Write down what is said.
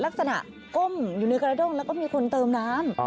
ลักษณะก้มอยู่ในกระดู้งแล้วมีคนเติมน้ำ